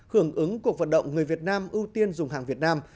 hưởng ứng cuộc vận động người việt nam ưu tiên dùng hàng việt nam